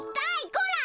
こら！